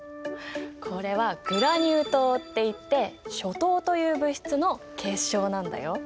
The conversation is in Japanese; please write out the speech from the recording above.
これはグラニュー糖っていってショ糖という物質の結晶なんだよ。